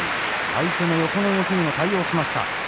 相手の横の動きにも対応しました。